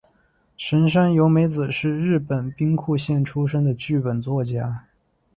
神山由美子是日本兵库县出身的剧本作家。